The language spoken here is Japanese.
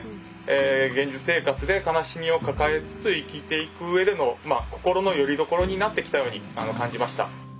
現実生活で悲しみを抱えつつ生きていくうえでの心のよりどころになってきたように感じました。